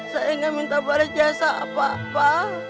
saya gak minta balas jasa apa apa